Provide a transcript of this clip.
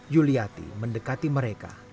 yuliati mendekati mereka